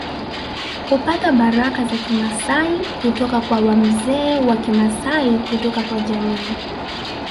Hupata baraka za Kimasai kutoka kwa wamzee wa Kimasai kutoka kwa jamii